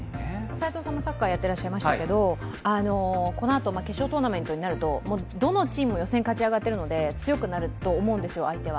齋藤さんもサッカーやっていらっしゃいましたけれども、このあと、決勝トーナメントになるとどのチームも予選勝ち上がっているので強くなると思うんですよ、相手は。